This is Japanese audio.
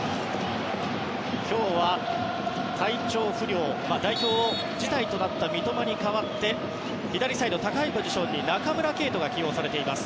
今日は体調不良代表辞退となった三笘に代わって左サイド、高いポジションに中村敬斗が起用されています。